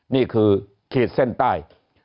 นี่คือขีดเส้นใต้